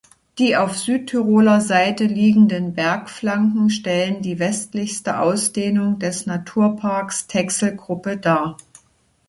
Die auf Südtiroler Seite liegenden Bergflanken stellen die westlichste Ausdehnung des Naturparks Texelgruppe dar.